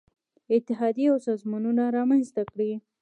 اتحادیې او سازمانونه رامنځته کړي.